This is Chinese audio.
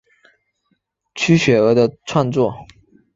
区雪儿的创作。